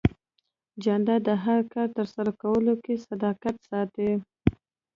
جانداد د هر کار ترسره کولو کې صداقت ساتي.